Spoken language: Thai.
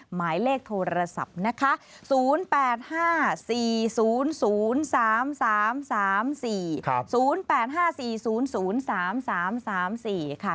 หมายเลขโทรศัพท์นะคะ